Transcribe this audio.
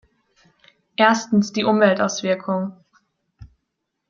Erstens die Umweltauswirkung.